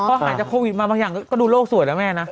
พอหายจากโควิดมาบางอย่างก็ดูโลกสวยแล้วแม่นะ